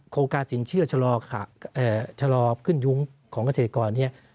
โครงการสินเชื่อชะลอขึ้นยุ้งของเกษตรกร